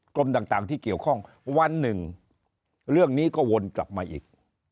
กรมต่างที่เกี่ยวข้องวันหนึ่งเรื่องนี้ก็วนกลับมาอีก